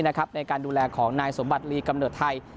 ในการดูแลของนายสมบัติลีกำเนิดไทย